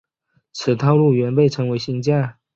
此套路原被称为新架。